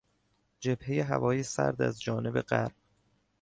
جبههی هوای سرد از جانب غرب